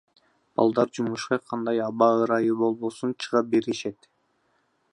Балдар жумушка кандай аба ырайы болбосун чыга беришет.